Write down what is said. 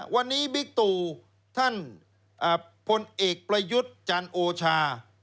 วันนี้บิ๊กตู่ท่านพลเอกประยุทธ์จันโอชา